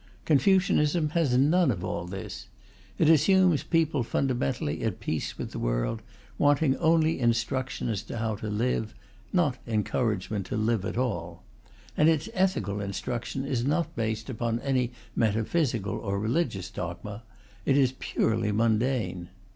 Confucianism has nothing of all this. It assumes people fundamentally at peace with the world, wanting only instruction as to how to live, not encouragement to live at all. And its ethical instruction is not based upon any metaphysical or religious dogma; it is purely mundane.